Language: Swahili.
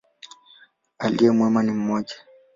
Aliye mwema ni mmoja.